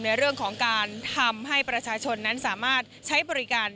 ในเรื่องของการทำให้ประชาชนนั้นสามารถใช้บริการ